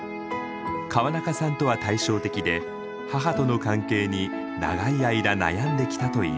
川中さんとは対照的で母との関係に長い間悩んできたといいます。